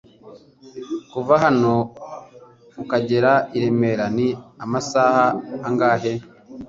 kuva hano ukagera I remera ni amasaha angahe?